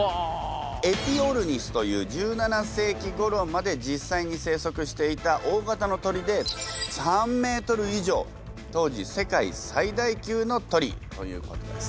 エピオルニスという１７世紀ごろまで実際に生息していた大型の鳥で３ｍ以上当時世界最大級の鳥ということです。